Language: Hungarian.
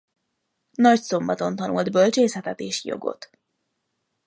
Nagyszombaton tanult bölcsészetet és jogot.